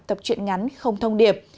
thập truyện ngắn không thông điệp